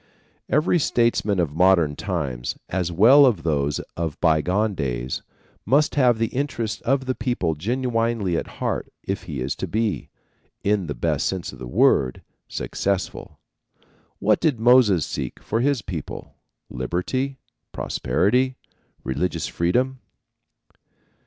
Every statesman of modern times, as well as those of bygone days, must have the interests of the people genuinely at heart if he is to be, in the best sense of the word, successful. What did Moses seek for his people? Liberty? Prosperity? Religious freedom?